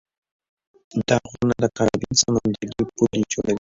دا غرونه د کارابین سمندرګي پولې جوړوي.